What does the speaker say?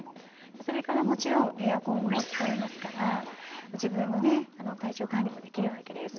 それからもちろんエアコンも使えますから自分のね体調管理もできるわけです。